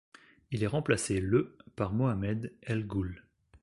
Il est remplacé le par Mohamed El Ghoul.